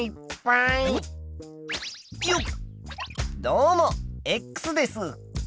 どうもです。